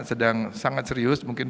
sedang sangat serius mungkin